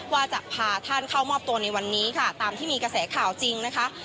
ว่าจะพาท่านเข้ามอบตัวในวันนี้ค่ะตามที่มีกระแสข่าวจริงนะคะ